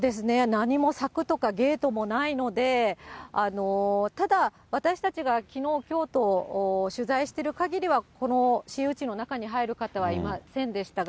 何も柵とかゲートもないので、ただ、私たちがきのう、きょうと取材しているかぎりは、この市有地の中に入る方はいませんでしたが、